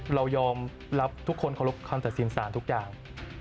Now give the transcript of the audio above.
เรายอมรับทุกคนเคารพคำตัดสินสารทุกอย่าง